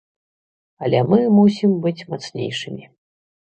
Але мы мусім быць мацнейшымі.